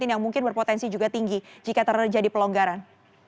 yang mungkin berpotensi juga tinggi jika terjadi pelonggaran